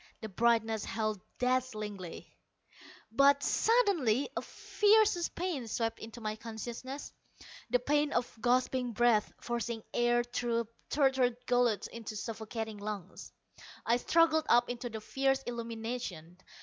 The brightness held dazzlingly. But suddenly a fiercer pain swept into my consciousness the pain of gasping breath forcing air through a tortured gullet into suffocating lungs. I struggled up into the fierce illumination.